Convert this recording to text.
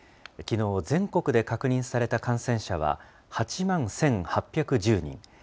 きのう、全国で確認された感染者は、８万１８１０人。